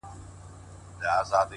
د فکر ژورتیا د انسان لوړوالی ښيي,